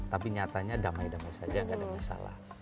tapi nyatanya damai damai saja tidak ada masalah